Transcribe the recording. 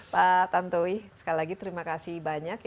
pak tantowi sekali lagi terima kasih banyak